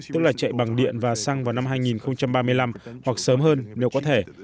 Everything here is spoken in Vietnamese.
tức là chạy bằng điện và xăng vào năm hai nghìn ba mươi năm hoặc sớm hơn nếu có thể